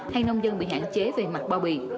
hay nông dân bị hạn chế về mặt bao bì